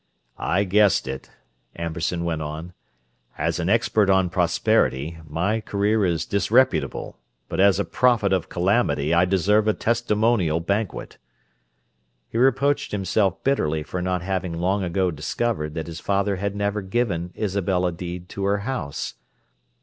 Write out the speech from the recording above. "I guessed it," Amberson went on. "As an expert on prosperity, my career is disreputable, but as a prophet of calamity I deserve a testimonial banquet." He reproached himself bitterly for not having long ago discovered that his father had never given Isabel a deed to her house.